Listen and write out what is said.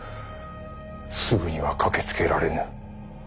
すぐには駆けつけられぬ。